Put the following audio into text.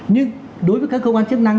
nhưng đối với các cơ quan chức năng